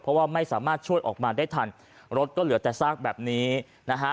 เพราะว่าไม่สามารถช่วยออกมาได้ทันรถก็เหลือแต่ซากแบบนี้นะฮะ